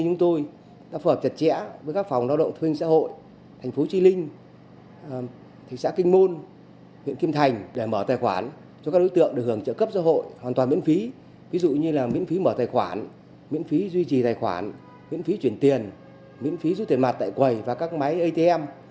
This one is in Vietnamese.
tổ chức đạo của ngân hàng nhà nước các ngân hàng chia sẻ với các phòng lao động thu vinh xã hội thành phố tri linh thành phố kinh môn huyện kim thành để mở tài khoản cho các đối tượng được hưởng trợ cấp xã hội hoàn toàn miễn phí ví dụ như miễn phí mở tài khoản miễn phí duy trì tài khoản miễn phí chuyển tiền miễn phí rút tiền mặt tại quầy và các máy atm